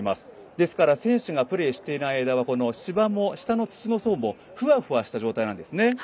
ですから、選手がプレーしていない間も芝も土の層もふわふわした状態なんですね。